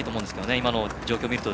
今の状況を見ると。